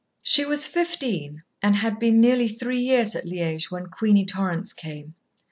She was fifteen, and had been nearly three years at Liège, when Queenie Torrance came.